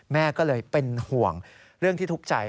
แม่ก็เลยเป็นห่วงเรื่องที่ทุกข์ใจ